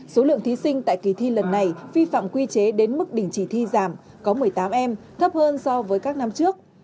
số lượng thí sinh tại kỳ thi lần này vi phạm quy chế đến mức đỉnh chỉ thi giảm có một mươi tám em thấp hơn so với các năm trước